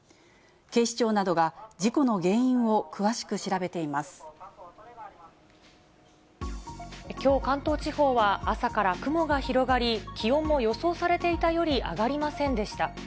警視庁などが、事故の原因を詳しきょう、関東地方は朝から雲が広がり、気温も予想されていたより上がりませんでした。